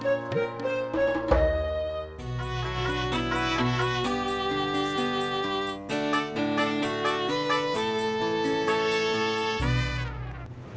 terima kasih mas